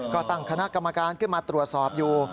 ก็ตั้งคณะกรรมการขึ้นมาตรวจสอบอยู่